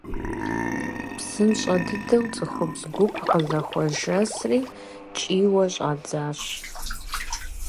ПсынщӀэ дыдэу цӀыхубз гуп къызэхуэжэсри, кӀийуэ щӀадзащ.